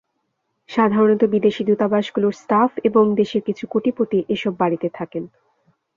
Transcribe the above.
সাধারণত বিদেশি দূতাবাসগুলোর স্টাফ এবং দেশের কিছু কোটিপতি এসব বাড়িতে থাকেন।